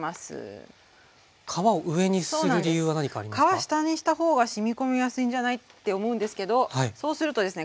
皮下にした方がしみ込みやすいんじゃない？って思うんですけどそうするとですね